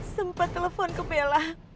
sempat telepon ke bella